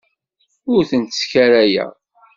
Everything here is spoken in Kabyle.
Ur tent-sskarayeɣ.